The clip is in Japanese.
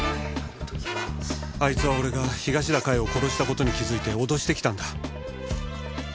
あいつは俺が東田加代を殺した事に気づいて脅してきたんだ。